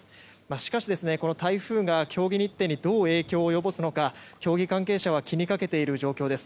しかし、台風が競技日程にどう影響を及ぼすのか競技関係者は気にかけている状況です。